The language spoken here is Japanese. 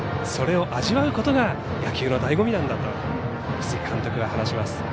それを味わうことが野球のだいご味なんだと楠城監督は話します。